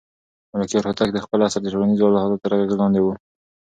ملکیار هوتک د خپل عصر د ټولنیزو حالاتو تر اغېز لاندې و.